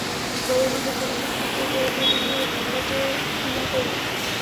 গরুর মাংস ছোট ছোট টুকরো করে কেটে নিয়ে বেটে কিমা করুন।